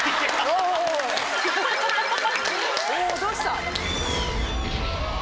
おどうした？